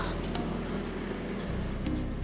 kalau kita ada masalah